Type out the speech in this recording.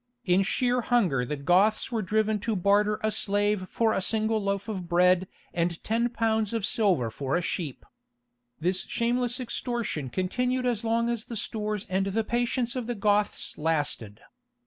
In sheer hunger the Goths were driven to barter a slave for a single loaf of bread and ten pounds of silver for a sheep. This shameless extortion continued as long as the stores and the patience of the Goths lasted.